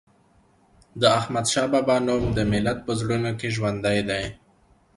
د احمد شاه بابا نوم د ملت په زړونو کې ژوندی دی.